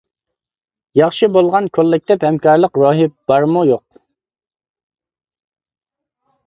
ياخشى بولغان كوللېكتىپ ھەمكارلىق روھى بارمۇ-يوق.